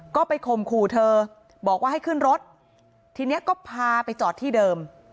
ก็ไปข่มขู่เธอบอกว่าให้ขึ้นรถทีนี้ก็พาไปจอดที่เดิม